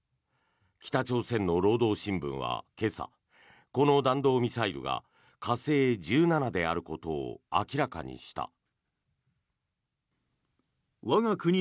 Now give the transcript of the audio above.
北朝鮮の労働新聞は今朝この弾道ミサイルが火星１７であることを明らかにした。